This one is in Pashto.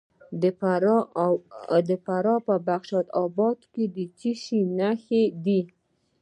د فراه په بخش اباد کې د څه شي نښې دي؟